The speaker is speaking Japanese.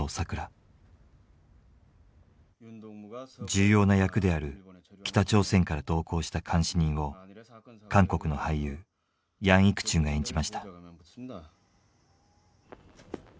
重要な役である北朝鮮から同行した監視人を韓国の俳優ヤンイクチュンが演じました。